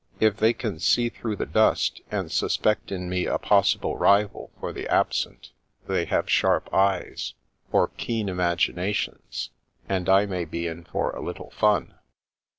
" If they can see through the dust, and suspect in me a possible rival for the ab sent, they have sharp eyes, or keen imaginations, and I may be in for a little fun."